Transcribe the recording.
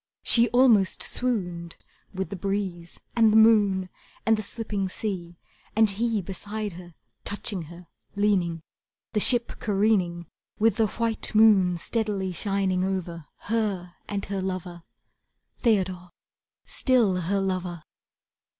She almost swooned, With the breeze and the moon And the slipping sea, And he beside her, Touching her, leaning The ship careening, With the white moon steadily shining over Her and her lover, Theodore, still her lover!